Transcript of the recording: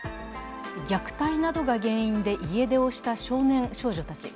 虐待などが原因で家出をした少年少女たち。